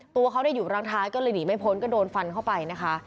ตัวเขาอยู่รังท้ายก็เลยหนีไม่พ้นก็โดนฟันเข้าไปนะคะ